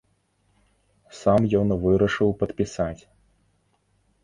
Сам ён вырашыў падпісаць.